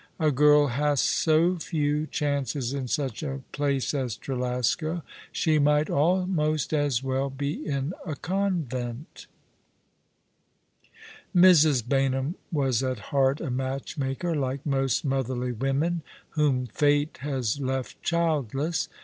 A girl has so few chances in such a place as Trelasco. She might almost as well be in a convent." Mrs. Baynham was at heart a matchmaker, like most motherly women whom fate has left childless.